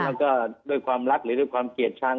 แล้วก็ด้วยความรักหรือด้วยความเกลียดชัง